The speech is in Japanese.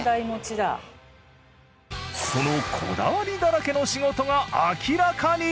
そのこだわりだらけの仕事が明らかに！？